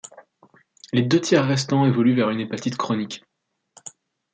Les deux tiers restant évoluent vers une hépatite chronique.